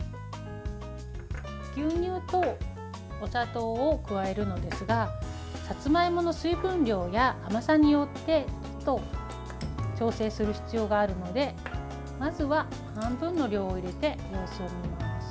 牛乳とお砂糖を加えるのですがさつまいもの水分量や甘さによって調整する必要があるのでまずは半分の量を入れて様子を見ます。